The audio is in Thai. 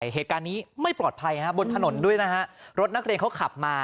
เหตุการณ์นี้ไม่ปลอดภัยบนถนนด้วยนะฮะรถนักเรียนเขาขับมา